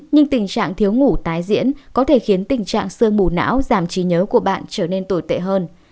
nhưng tình trạng thiếu ngủ tái diễn có thể khiến tình trạng sương mù não giảm trí nhớ của bạn trở nên tồi tệ hơn